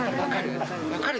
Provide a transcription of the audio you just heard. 分かる？